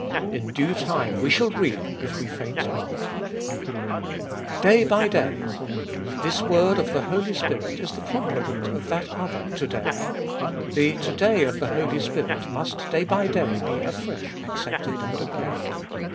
" In due time we shall reap if we faint not" fbolfest of Bll 133 Day by day. This word of the Holy Spirit is the comple ment of that other To day. The To day of the Holy Spirit must day by day be afresh accepted and obeyed.